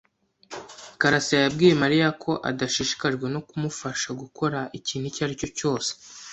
karasira yabwiye Mariya ko adashishikajwe no kumufasha gukora ikintu icyo ari cyo cyose.